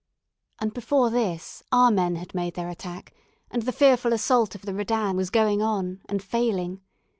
And before this, our men had made their attack, and the fearful assault of the Redan was going on, and failing.